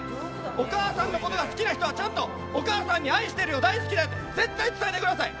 お母さんのことが好きな人はお母さんに愛しているよ、大好きだよ絶対伝えてください！